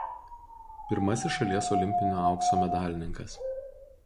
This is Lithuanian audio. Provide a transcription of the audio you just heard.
Pirmasis šalies olimpinio aukso medalininkas.